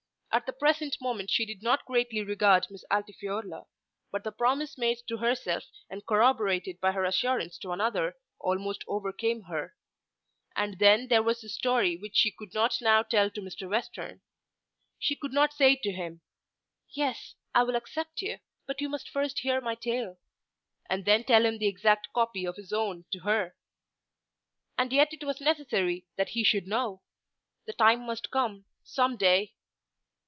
At the present moment she did not greatly regard Miss Altifiorla; but the promise made to herself and corroborated by her assurance to another, almost overcame her. And then there was that story which she could not now tell to Mr. Western. She could not say to him: "Yes, I will accept you, but you must first hear my tale;" and then tell him the exact copy of his own to her. And yet it was necessary that he should know. The time must come, some day.